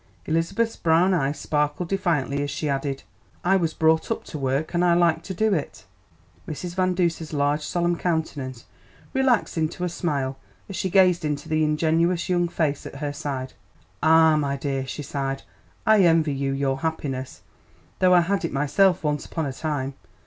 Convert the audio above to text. Elizabeth's brown eyes sparkled defiantly as she added, "I was brought up to work, and I like to do it." Mrs. Van Duser's large solemn countenance relaxed into a smile as she gazed into the ingenuous young face at her side. "Ah, my dear," she sighed, "I envy you your happiness, though I had it myself once upon a time.